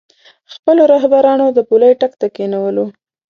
خپلو رهبرانو د پولۍ ټک ته کېنولو.